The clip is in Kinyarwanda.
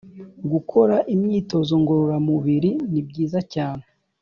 gukora imyitozo ngororamubiri ni byiza cyane”